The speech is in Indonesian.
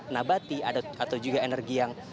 nabati atau juga energi yang